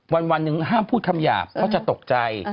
วันหนึ่งห้ามพูดคำหยาบเพราะจะตกใจ